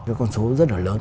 cái con số rất là lớn